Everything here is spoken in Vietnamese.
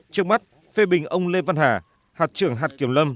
trước mắt phê bình ông lê văn hà hạt trưởng hạt kiểm lâm